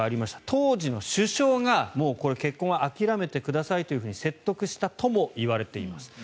当時の首相が、もう結婚は諦めてくださいというふうに説得したともいわれています。